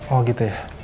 oh gitu ya